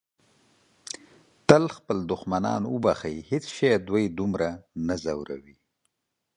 تل خپل دښمنان وبښئ. هیڅ شی دوی دومره نه ځوروي.